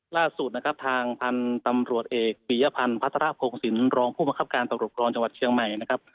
ล่าสุดนะครับทางพันธุ์ตำรวจเอกปียพันธ์พัฒระพงศิลปรองผู้บังคับการตำรวจกรองจังหวัดเชียงใหม่นะครับ